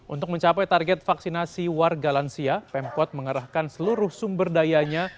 untuk mencapai target vaksinasi warga lansia pemkot mengerahkan seluruh sumber dayanya